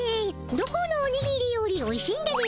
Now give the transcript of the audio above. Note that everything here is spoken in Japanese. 「どこのおにぎりよりおいしいんだぜ」